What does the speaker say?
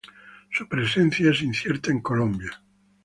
Su presencia es incierta en Colombia.